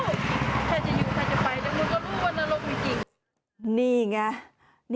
ใครจะอยู่ใครจะไปเดี๋ยวมึงก็รู้ว่านรกมีจริง